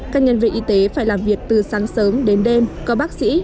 các nhân viên y tế phải làm việc từ sáng sớm đến đêm có bác sĩ